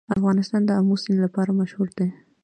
افغانستان د آمو سیند لپاره مشهور دی.